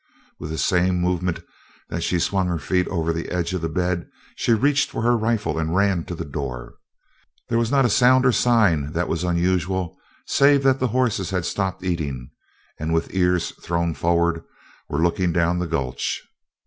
With the same movement that she swung her feet over the edge of the bunk she reached for her rifle and ran to the door. There was not a sound or sign that was unusual save that the horses had stopped eating and with ears thrown forward were looking down the gulch.